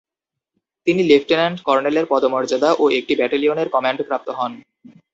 তিনি লেফট্যানেন্ট কর্নেলের পদমর্যাদা ও একটি ব্যাটেলিয়নের কম্যান্ড প্রাপ্ত হন।